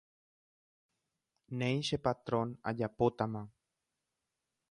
Néi che patrón, ajapótama.